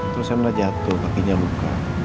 terus reina jatuh kakinya buka